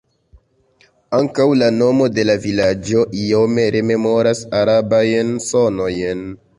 Ankaŭ la nomo de la vilaĝo iome rememoras arabajn sonojn.